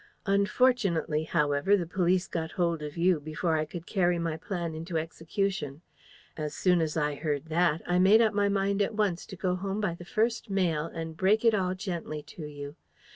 "Unfortunately, however, the police got hold of YOU before I could carry my plan into execution. As soon as I heard that, I made up my mind at once to go home by the first mail and break it all gently to you.